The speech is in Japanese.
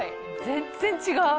全然違う！